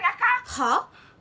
はあ！？